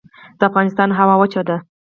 د افغانستان هوا وچه ده